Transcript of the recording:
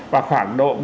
và khoảng độ